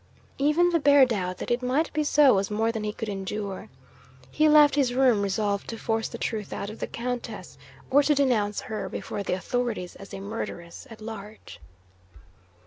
Even the bare doubt that it might be so was more than he could endure. He left his room; resolved to force the truth out of the Countess, or to denounce her before the authorities as a murderess at large.